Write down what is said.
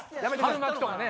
春巻きとかね。